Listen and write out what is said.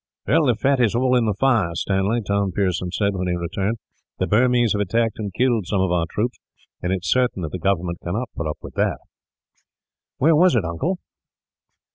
"The fat is all in the fire, Stanley," Tom Pearson said, when he returned. "The Burmese have attacked and killed some of our troops, and it is certain that the government cannot put up with that." "Where was it, uncle?"